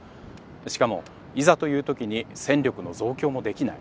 しかもいざという時に戦力の増強もできない。